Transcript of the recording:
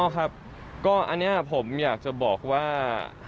ครับก็อันนี้ผมอยากจะบอกว่า